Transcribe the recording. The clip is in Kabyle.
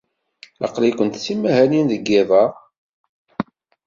Aql-ikent d timahalin deg yiḍ-a?